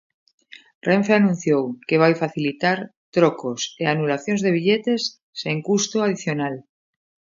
Renfe anunciou que vai facilitar trocos e anulacións de billetes sen custo adicional.